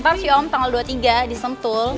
pas si om tanggal dua puluh tiga di sentul